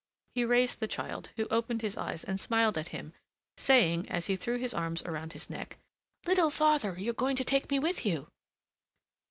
He raised the child, who opened his eyes and smiled at him, saying, as he threw his arms around his neck: "Little father, you're going to take me with you!"